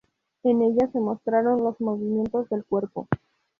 En ella se mostraron los movimientos del cuerpo.